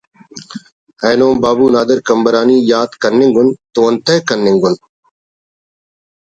اینو بابو نادر قمبرانیءِ یات کننگ اُن تو انتئے کننگ اُن